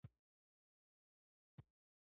د ځان پېژندنې په اړه د مديريت نظريه.